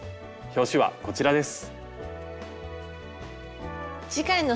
表紙はこちらです。